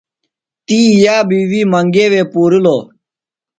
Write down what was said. تی یابی وی منگے وے پُورِلوۡ۔